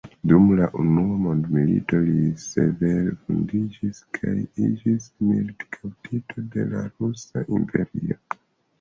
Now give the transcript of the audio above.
Dum la Unua Mondmilito li severe vundiĝis kaj iĝis militkaptito de la Rusa Imperio.